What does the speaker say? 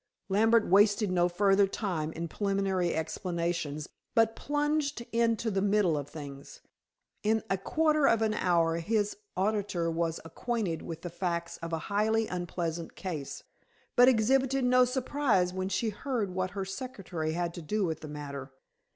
Lambert wasted no further time in preliminary explanations, but plunged into the middle of things. In a quarter of an hour his auditor was acquainted with the facts of a highly unpleasant case, but exhibited no surprise when she heard what her secretary had to do with the matter.